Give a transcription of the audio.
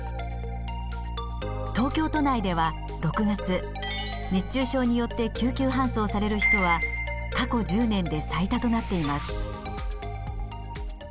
東京都内では６月熱中症によって救急搬送される人は過去１０年で最多となっています。